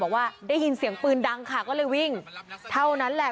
บอกว่าได้ยินเสียงปืนดังค่ะก็เลยวิ่งเท่านั้นแหละ